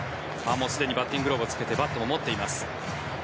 すでにバッティングローブをつけてバットも持っています。